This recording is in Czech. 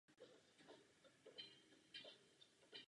V rovině je splavná při zvýšené hladině.